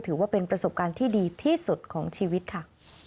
ถือว่าเป็นประสบการณ์ที่ดีที่สุดของชีวิตค่ะ